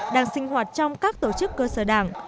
đang sinh hoạt trong các tổ chức cơ sở đảng